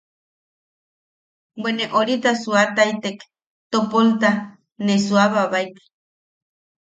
Bwe ne orita suuataitek topolta, ne suuababaek.